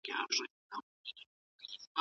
زه د نېکمرغۍ په لټه کي یم.